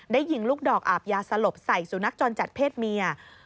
ยิงลูกดอกอาบยาสลบใส่สุนัขจรจัดเพศเมีย